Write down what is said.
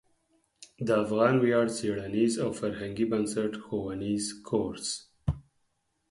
د افغان ویاړ څیړنیز او فرهنګي بنسټ ښوونیز کورس